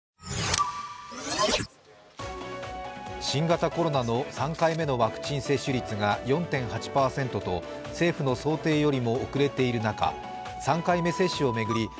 新型コロナの３回目のワクチン接種率が４．８％と政府の想定よりも遅れている中、３回目接種を巡り